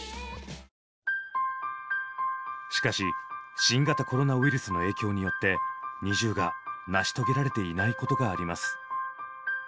しかし新型コロナウイルスの影響によってＮｉｚｉＵが成し遂げられていないことがあります。